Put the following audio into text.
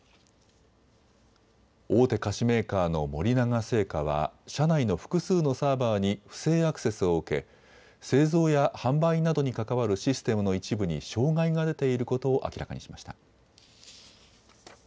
大手菓子メーカーの森永製菓は社内の複数のサーバーに不正アクセスを受け製造や販売などに関わるシステムの一部に障害が出ていることを明らかにしました。